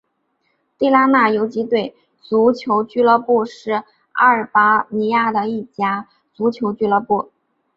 地拉那游击队足球俱乐部是阿尔巴尼亚的一家足球俱乐部。